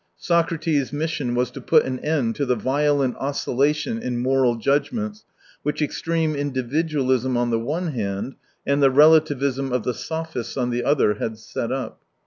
Socrates' mission was to put an end to the violent oscillation in moral judgments which extreme individualism on the one hand and the relativism of the sophists on the other had set up.